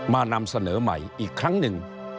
นำเสนอใหม่อีกครั้งหนึ่ง